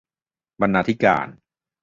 บรรณาธิการ